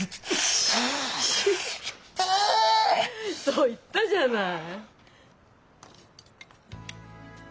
そう言ったじゃない。